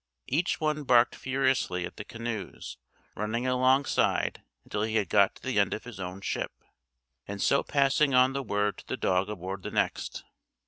Each one barked furiously at the canoes, running alongside until he had got to the end of his own ship, and so passing on the word to the dog aboard the next.